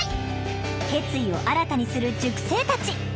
決意を新たにする塾生たち。